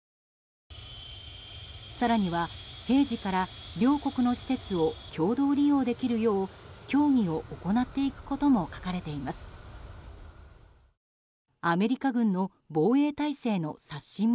更には、平時から両国の施設を共同利用できるよう協議を行っていくことも書かれています。